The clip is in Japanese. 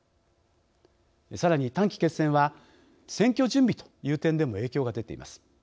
さらに短期決戦は選挙準備という点でも影響がでています。